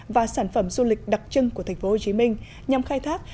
và sản phẩm du lịch đặc trưng của tp hcm nhằm khai thác